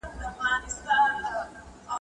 د وړانګو په مرسته وران سوي توري ولولئ.